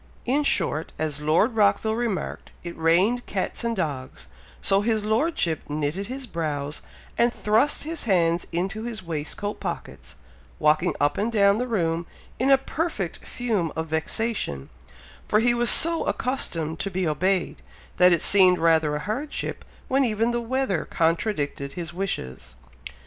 In short, as Lord Rockville remarked, "it rained cats and dogs," so his Lordship knitted his brows, and thrust his hands into his waistcoat pockets, walking up and down the room in a perfect fume of vexation, for he was so accustomed to be obeyed, that it seemed rather a hardship when even the weather contradicted his wishes.